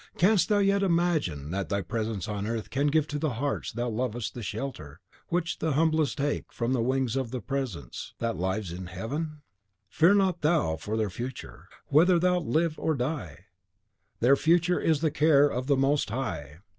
Canst thou yet imagine that thy presence on earth can give to the hearts thou lovest the shelter which the humblest take from the wings of the Presence that lives in heaven? Fear not thou for their future. Whether thou live or die, their future is the care of the Most High!